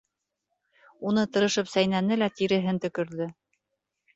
Уны тырышып сәйнәне ла тиреһен төкөрҙө: